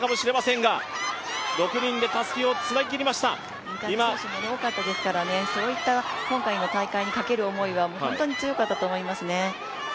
けが人も多かったですから、今回の大会にかける思いは本当に強かったと思いますね。